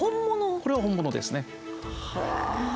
これは本物ですね。